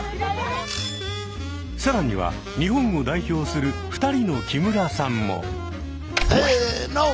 更には日本を代表する２人の木村さんも。せの。